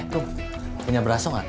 kum punya beraso gak